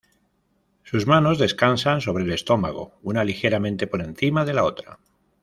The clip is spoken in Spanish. Sus manos descansan sobre el estómago, una ligeramente por encima de la otra.